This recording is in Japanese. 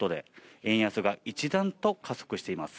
円安がさらに加速しています。